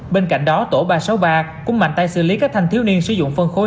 bên cạnh đó tổ ba trăm sáu mươi ba cũng mạnh tay xử lý các thanh thiếu niên sử dụng phân khối